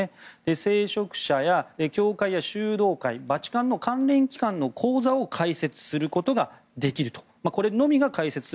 聖職者、教会や修道会バチカンの関連機関の口座を開設することができると。